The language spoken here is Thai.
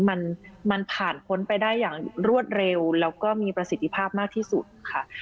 มันมันผ่านพ้นไปได้อย่างรวดเร็วแล้วก็มีประสิทธิภาพมากที่สุดค่ะ